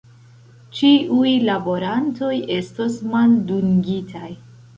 Ĉiuj laborantoj estos maldungitaj.